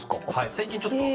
最近ちょっと。